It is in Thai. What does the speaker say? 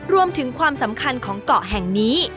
รวมถึงความสำคัญของเกาะแห่งนี้